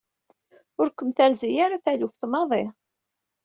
Ur kem-terzi ara taluft maḍi.